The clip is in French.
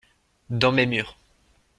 Dans mes murs.